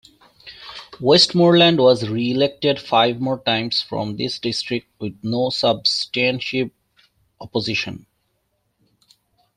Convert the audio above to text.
Westmoreland was reelected five more times from this district with no substantive opposition.